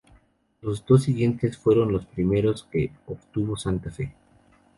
Los dos siguientes fueron los primeros que obtuvo Santa Fe.